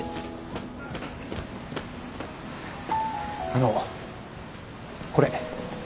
あのこれ。